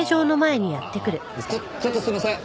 ちょちょっとすいません。